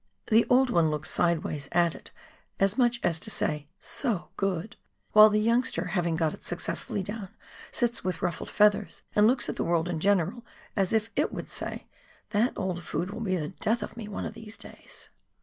The old one looks sideways at it as much as to say, " So good," while the youngster having got it successfully down sits with ruffled feathers and looks at the world in general as if it would say, "That old fool will be the death of me one of these days